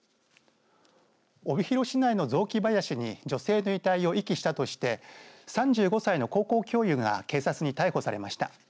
帯広市内の雑木林に女性の遺体を遺棄したとして３５歳の高校教諭が警察に逮捕されました。